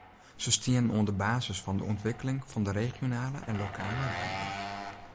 Se stienen oan de basis fan de ûntwikkeling fan de regionale en lokale radio.